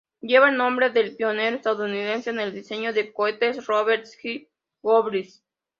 Lleva el nombre del pionero estadounidense en el diseño de cohetes Robert H. Goddard.